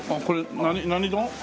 これ何丼？